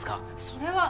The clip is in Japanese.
それは。